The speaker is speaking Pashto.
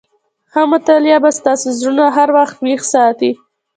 ښه مطالعه به ستاسي زړونه هر وخت ويښ ساتي.